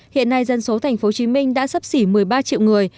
hiện nay dân số tp hcm đã sắp xỉ một mươi ba triệu người